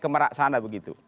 ke meraksana begitu